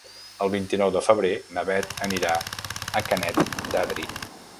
El vint-i-nou de febrer na Beth anirà a Canet d'Adri.